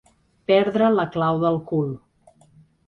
Perdre la clau del cul.